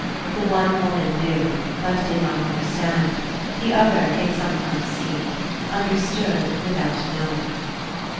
The one woman knew but did not understand; the other, it sometimes seemed, understood without knowing.